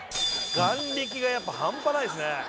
眼力がやっぱ半端ないですね。